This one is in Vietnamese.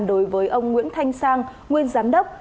đối với ông nguyễn thanh sang nguyên giám đốc